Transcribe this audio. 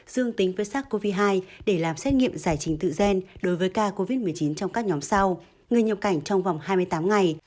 dương tính với sars cov hai để làm xét nghiệm giải trình tự gen đối với ca covid một mươi chín trong các nhóm sau người nhập cảnh trong vòng hai mươi tám ngày